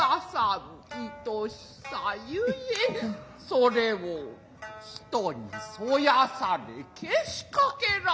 それを他にそやされけしかけられ。